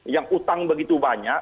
yang utang begitu banyak